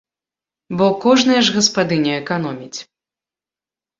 Бо кожная ж гаспадыня эканоміць.